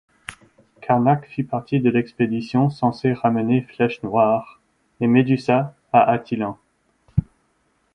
Karnak fit partie de l'expédition censée ramener Flèche Noire et Médusa à Attilan.